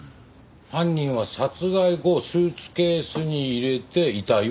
犯人は殺害後スーツケースに入れて遺体を運んだ？